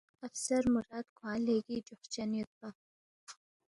اِفسر مراد کھوانگ لیگی جوخ چن یود پا۔